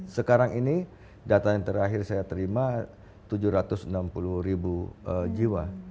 sekarang ini data yang terakhir saya terima tujuh ratus enam puluh ribu jiwa